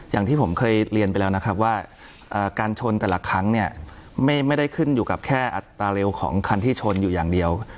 อย่างที่ผมเคยเรียนไปแล้วนะครับว่าการชนแต่ละครั้งเนี่ยไม่ได้ขึ้นอยู่กับแค่อัตราเร็วของคันที่ชนอยู่อย่างเดียว